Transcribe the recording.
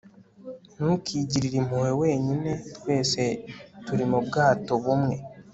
ntukigirire impuhwe wenyine twese turi mubwato bumwe